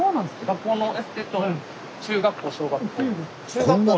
学校のえっと中学校小学校。